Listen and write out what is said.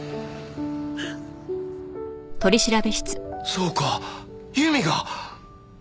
そうか由美が！